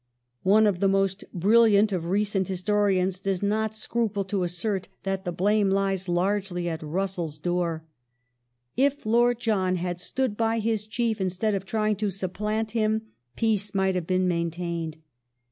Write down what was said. One of the most brilliant lish Cab of recent historians does not scruple to assert that the blame lies ^^^^ largely at Russell's door. " If Lord John had stood by his Chief instead of trying to supplant him, peace might have been main tained."